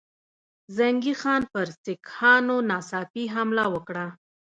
زنګي خان پر سیکهانو ناڅاپي حمله وکړه.